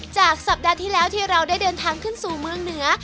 สัปดาห์ที่แล้วที่เราได้เดินทางขึ้นสู่เมืองเหนือ